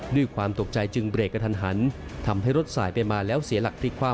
ด้วยความตกใจจึงเบรกกระทันหันทำให้รถสายไปมาแล้วเสียหลักพลิกคว่ำ